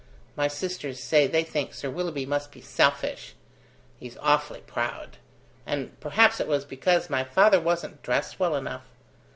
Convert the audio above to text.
My sisters say they think Sir Willoughby must be selfish. He's awfully proud; and perhaps it was because my father wasn't dressed well enough.